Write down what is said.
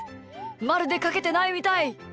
まるでかけてないみたい。